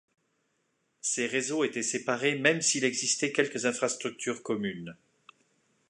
Ces réseaux étaient séparés même s'il existait quelques infrastructures communes.